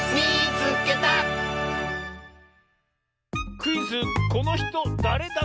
クイズ「このひとだれだっけ？」！